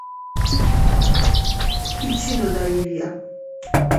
იცინოდა ილია.